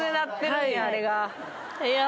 いや。